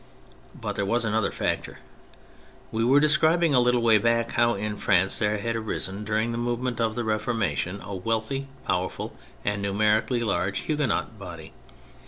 But there was another factor. We were describing a little way back how in France there had arisen, during the movement of the Reformation, a wealthy, powerful and numeri cally large Huguenot body.